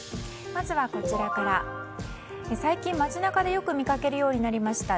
まずは最近、街中でよく見かけるようになりました